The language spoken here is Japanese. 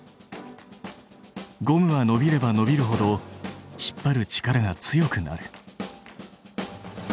ゴムはのびればのびるほど引っ張る力が強くなる。